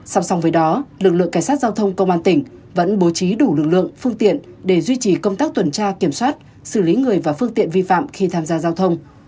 song song với đó lực lượng cảnh sát giao thông công an tỉnh vẫn bố trí đủ lực lượng phương tiện để duy trì công tác tuần tra kiểm soát xử lý người và phương tiện vi phạm khi tham gia giao thông